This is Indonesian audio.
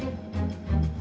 ini rasanyavooran deh